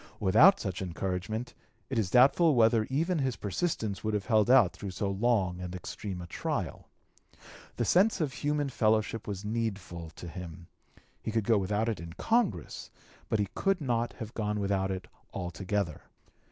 Without such encouragement it is doubtful whether even his persistence would have held out through so long and extreme a trial. The sense of human fellowship was needful to him; he could go without it in Congress, but he could not have gone without it altogether.